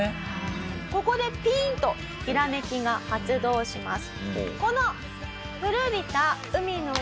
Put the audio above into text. ここでピーンとひらめきが発動します。